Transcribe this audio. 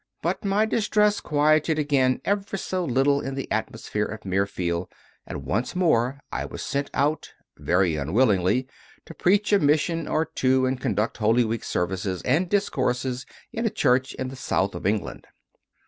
But my distress quieted again ever so little in the atmosphere of Mirfield, and once more I was sent out, very unwillingly, to preach a mission or two CONFESSIONS OF A CONVERT 89 and conduct Holy Week services and discourses in a church in the south of England.